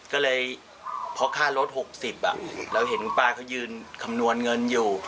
ก็เลยเพราะค่ารถ๖๐เราเห็นคุณป้าเขายืนคำนวณเงินอยู่